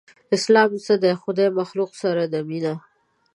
اسلام څه دی؟ خدای مخلوق سره ده مينه